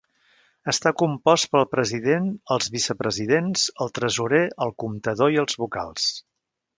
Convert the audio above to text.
Està compost pel President, els Vicepresidents, el tresorer, el comptador i els vocals.